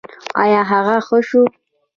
ایا هغه ښه شو؟